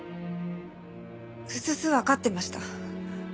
うすうすわかってました。